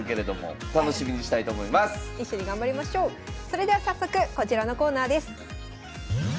それでは早速こちらのコーナーです。